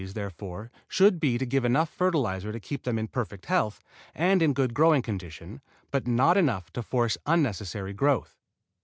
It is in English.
The rule in feeding dwarf fruit trees therefore should be to give enough fertilizer to keep them in perfect health and in good growing condition, but not enough to force unnecessary growth.